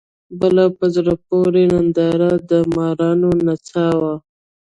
بله په زړه پورې ننداره د مارانو نڅا وه.